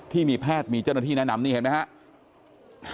ที่มีแพทย์มีเจ้าหน้าที่แนะนำนี่เห็นไหมครับ